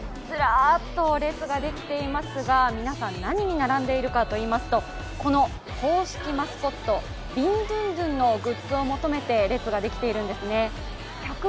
ずらっと列ができていますが、皆さん何に並んでいるかといいますとこの公式マスコット、ビンドゥンドゥンのグッズを求めて列ができているんですね。